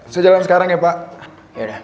saya jalan sekarang ya pak